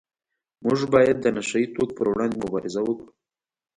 موږ باید د نشه یي توکو پروړاندې مبارزه وکړو